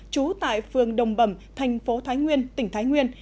trú tại phường đồng bẩm thành phố thái nguyên tỉnh thái nguyên